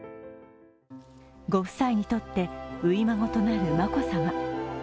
ご夫妻にとって初孫となる眞子さま。